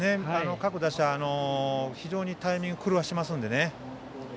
各打者、非常にタイミングを狂わせていますので。